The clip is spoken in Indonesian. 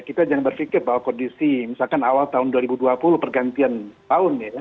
kita jangan berpikir bahwa kondisi misalkan awal tahun dua ribu dua puluh pergantian tahun ya